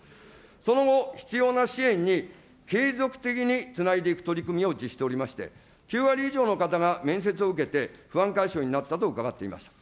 その後、必要な支援に継続的につないでいく取り組みを実施しておりまして、９割以上の方が面接を受けて、不安解消になったと伺っていました。